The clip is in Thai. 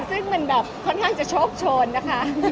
ซึ่งมันแบบค่อนข้างจะโชคโชนนะคะ